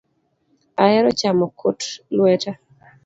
Ahero chamo kok lweta